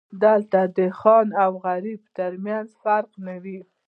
دلته د خان او غریب ترمنځ فرق نه و.